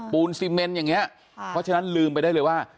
ปูนซีเมนอย่างนี้เพราะฉะนั้นลืมไปได้เลยว่า